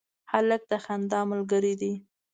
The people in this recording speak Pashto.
هلک د خندا ملګری دی.